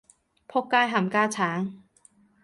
僕街冚家鏟